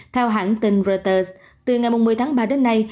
theo hãng tin reuters từ ngày một mươi tháng ba đến nay